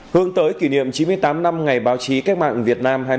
hướng tới kỷ niệm chín mươi tám năm ngày báo chí cách mạng việt nam